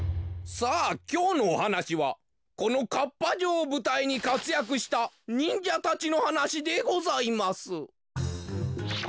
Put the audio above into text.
さあきょうのおはなしはこのかっぱ城をぶたいにかつやくしたにんじゃたちのはなしでございます。